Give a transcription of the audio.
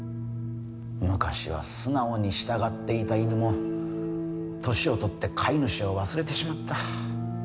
昔は素直に従っていた犬も年を取って飼い主を忘れてしまった。